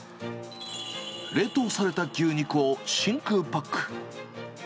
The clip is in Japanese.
冷凍された牛肉を真空パック。